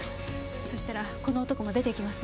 そしたらこの男も出て行きます。